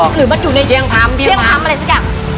หรือมันอยู่ในเที่ยงพร้ำอะไรสักอย่าง